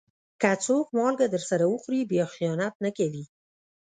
که څوک مالګه درسره وخوري، بیا خيانت نه کوي.